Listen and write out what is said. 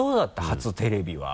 初テレビは。